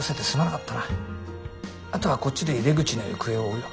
あとはこっちで井出口の行方を追うよ。